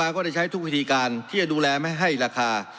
ก็ได้ใช้ทุกวิธีการที่จะดูแลไม่ให้ราคา